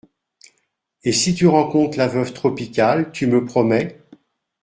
Et, si tu rencontres la veuve Tropical, tu me promets…